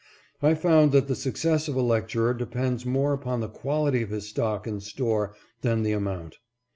I found that the success of a lecturer depends more upon the quality of his stock in store than the amount.